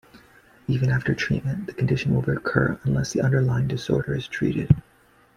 Even after treatment, the condition will recur unless the underlying disorder is treated.